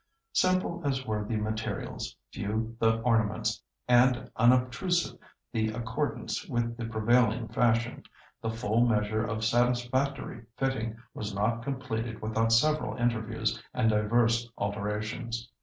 Simple as were the materials, few the ornaments, and unobtrusive the accordance with the prevailing fashion, the full measure of satisfactory fitting was not completed without several interviews and divers alterations.